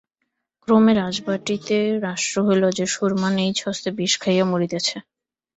ক্রমে রাজবাটীতে রাষ্ট্র হইল যে, সুরমা নিজ হস্তে বিষ খাইয়া মরিতেছে।